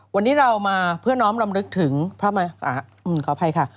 วันนี้เรามาเพื่อน้องรำลึกถึงพระขออภัยค่ะ